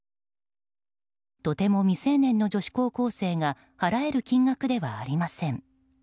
とても未成年の女子高校生が払える金額ではありません。